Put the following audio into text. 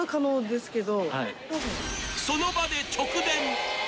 ［その場で直電］